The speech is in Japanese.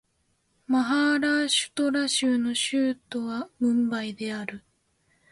マハーラーシュトラ州の州都はムンバイである